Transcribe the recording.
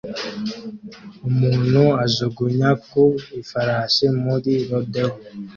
umuntu ajugunywa ku ifarashi muri rodeo